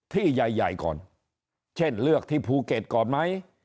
ที่ใหญ่ใหญ่ก่อนเช่นเลือกที่ภูเก็ตก่อนไหม